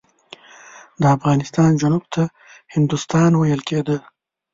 د افغانستان جنوب ته هندوستان ویل کېده.